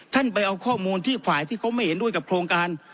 ไปเอาข้อมูลที่ฝ่ายที่เขาไม่เห็นด้วยกับโครงการ